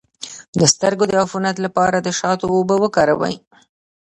د سترګو د عفونت لپاره د شاتو اوبه وکاروئ